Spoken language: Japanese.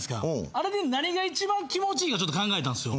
あれで何が一番気持ちいいか考えたんすよ。